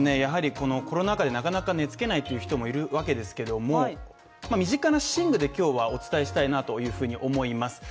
このコロナ禍でなかなか寝付けないという人もいるわけですけども身近な寝具で今日はお伝えしたいなというふうに思います。